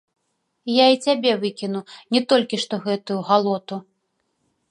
Я і цябе выкіну, не толькі што гэтую галоту!